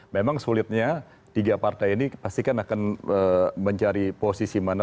memang sulitnya tiga partai ini pastikan akan mencari posisi mana